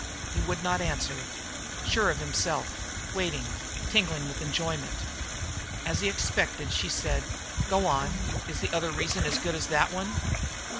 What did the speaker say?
He would not answer, sure of himself; waiting, tingling with enjoyment. As he expected, she said: "Go on; is the other reason as good as that one?"